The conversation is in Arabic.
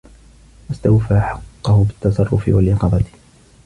وَاسْتَوْفَى حَقَّهُ بِالتَّصَرُّفِ وَالْيَقِظَةِ